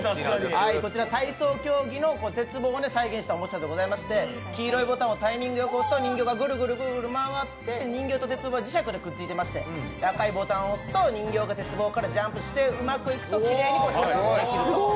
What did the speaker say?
こちら体操競技の鉄棒を再現したおもちゃでして黄色いボタンをタイミングよく押すと人形がぐるぐる回って人形と鉄棒は磁石でくっついていまして赤いボタンを押すと人形から鉄棒からジャンプしてうまくいくときれいに着地できると。